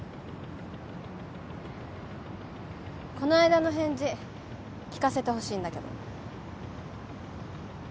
この間の返事聞かせてほしいんだけど。